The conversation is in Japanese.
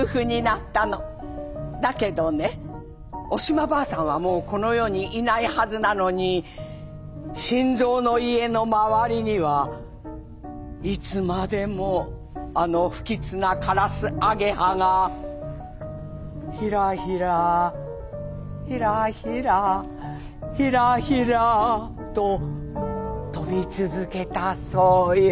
だけどねお島婆さんはもうこの世にいないはずなのに新蔵の家の周りにはいつまでもあの不吉なカラスアゲハがひらひらひらひらひらひらと飛び続けたそうよ」。